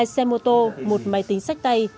hai xe mô tô một máy tính sách tay